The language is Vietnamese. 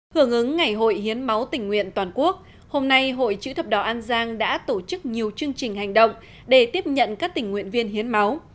hưởng ứng ngày hội hiến máu tình nguyện toàn quốc hôm nay hội chữ thập đỏ an giang đã tổ chức nhiều chương trình hành động để tiếp nhận các tình nguyện viên hiến máu